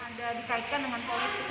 ada dikaitkan dengan politik